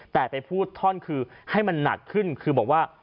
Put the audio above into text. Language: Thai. แต่ไปพูดท่อนคือให้มันหนักขึ้นคือบอกว่า